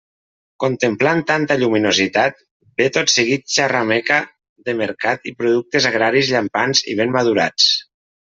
Contemplant tanta lluminositat, ve tot seguit xarrameca de mercat i productes agraris llampants i ben madurats.